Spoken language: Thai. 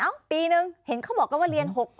เอ้าปีนึงเห็นเขาบอกว่าเรียน๖